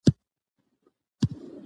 د کلي خلک ورسره خواږه کوي.